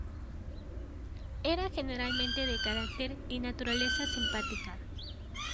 Era generalmente de carácter y naturaleza simpática.